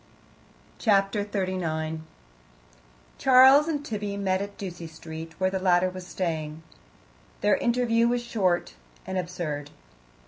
Chapter 39 Charles and Tibby met at Ducie Street, where the latter was staying. Their interview was short and absurd.